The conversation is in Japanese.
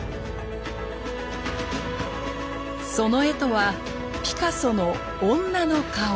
その絵とはピカソの「女の顔」。